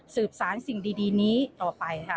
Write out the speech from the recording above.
สารสิ่งดีนี้ต่อไปค่ะ